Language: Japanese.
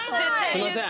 すいません。